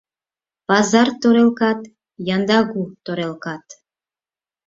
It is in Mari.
Пазар торелкат - яндагӱ торелкат